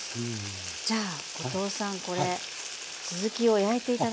じゃあ後藤さんこれ続きを焼いて頂いても？